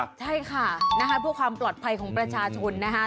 ใช่ค่ะนะฮะผู้ความปลอดภัยของประชาชนนะฮะ